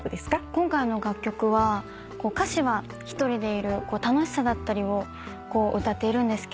今回の楽曲は歌詞は一人でいる楽しさだったりを歌っているんですけど。